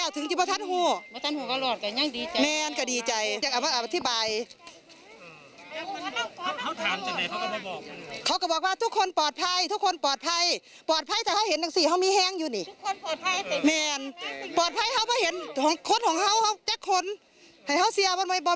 ทุกคนปลอดภัยปลอดภัยจะไว้เห็นทั้งสี่เขามีแห้งอยู่นี่